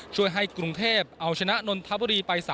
ช่วยให้กรุงเทพเอาชนะนนทบุรีไป๓